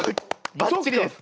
ばっちりです。